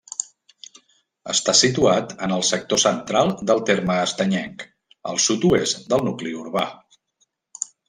Està situat en el sector central del terme estanyenc, al sud-oest del nucli urbà.